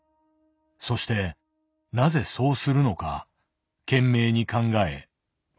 そしてなぜそうするのか懸命に考え分析した。